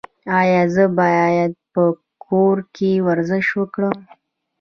ایا زه باید په کور کې ورزش وکړم؟